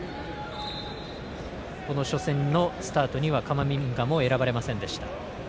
この初戦のスタートにはカマビンガも選ばれませんでした。